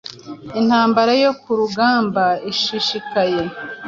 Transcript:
Intambara yo ku rugamba ishishikaye